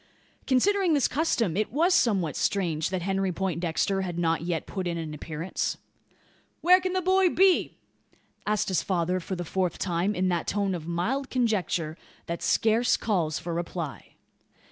Considering this custom, it was somewhat strange, that Henry Poindexter had not yet put in an appearance. "Where can the boy be?" asked his father, for the fourth time, in that tone of mild conjecture that scarce calls for reply.